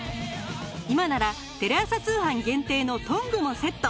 今ならテレ朝通販限定のトングもセット。